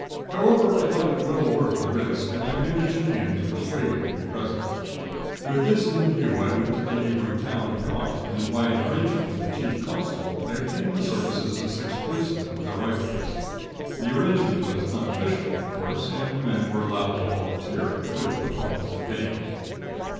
However, I thought it well worth the risk, and I managed in the end to persuade him to be present. "With this in view, I went to the neighboring town of Gaunt, and by an arrangement with the Chief Constable I obtained the services of six policemen with their rifles. The arrangement was unofficial, of course, and the men were allowed to volunteer, with a promise of payment.